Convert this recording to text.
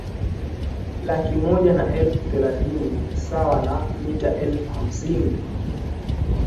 laki moja na elfu thelathini sawa na mita elfu hamsini